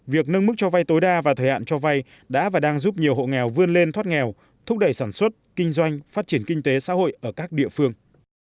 việc nâng mức cho vay tối đa và thời hạn cho vay đã và đang giúp nhiều hộ nghèo vươn lên thoát nghèo thúc đẩy sản xuất kinh doanh phát triển kinh tế xã hội ở các địa phương